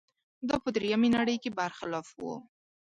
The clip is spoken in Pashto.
دا په درېیمې نړۍ کې برخلاف و.